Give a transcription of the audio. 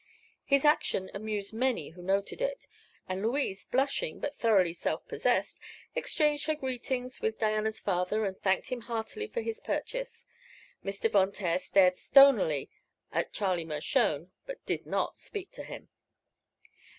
His action amused many who noted it, and Louise blushing but thoroughly self possessed, exchanged her greetings with Diana's father and thanked him heartily for his purchase. Mr. Von Taer stared stonily at Charlie Mershone, but did not speak to him.